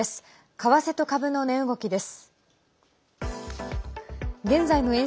為替と株の値動きです。